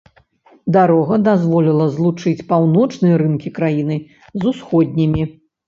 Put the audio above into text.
Дарога дазволіла злучыць паўночныя рынкі краіны з усходнімі.